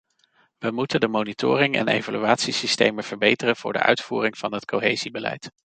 We moeten de monitoring- en evaluatiesystemen verbeteren voor de uitvoering van het cohesiebeleid.